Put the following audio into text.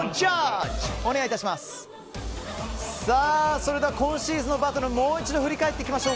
それでは今シーズンのバトルをもう一度振り返りましょう。